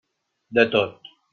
De tot.